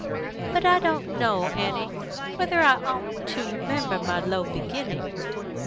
But I don't know, Annie, whether I oughtn't to remember my low beginnings."